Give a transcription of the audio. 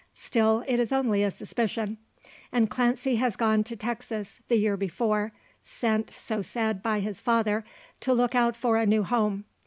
Still, it is only a suspicion; and Clancy has gone to Texas the year before sent, so said, by his father, to look out for a new home.